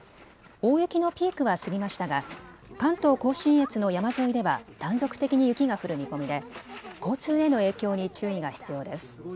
大雪のピークは過ぎましたが関東甲信越の山沿いでは断続的に雪が降る見込みで交通への影響に注意が必要です。